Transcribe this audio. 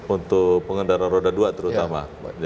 untuk pengendara roda dua terutama